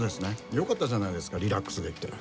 よかったじゃないですかリラックスできて。